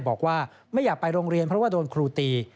บอกว่าไม่อยากไปโรงเรียนเพราะว่าโดนครูตี